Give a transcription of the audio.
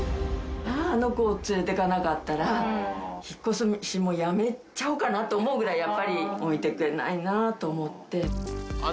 あの子を連れてかなかったら引越しもやめちゃおうかなって思うぐらいやっぱり置いてけないなと思ってあっ